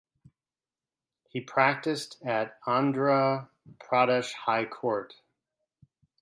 He practiced at Andhra Pradesh High Court.